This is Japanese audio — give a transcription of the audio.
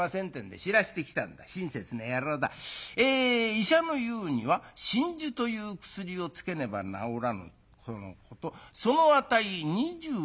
『医者の言うには真珠という薬をつけねば治らぬとのことその値２０両』。